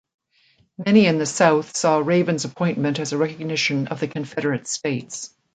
Many in the south saw Raven's appointment as a recognition of the Confederate States.